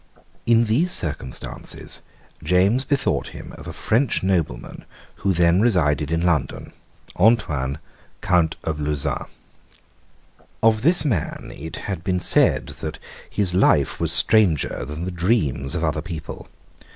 In these circumstances, James bethought him of a French nobleman who then resided in London, Antonine, Count of Lauzun. Of this man it has been said that his life was stranger than the dreams of other people.